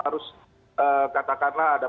harus katakanlah ada